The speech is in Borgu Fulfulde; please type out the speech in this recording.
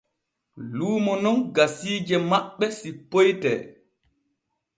Luumo non gasiije maɓɓe sippoyte.